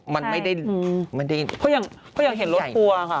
มันไม่ได้เพราะยังเห็นรถตัวค่ะ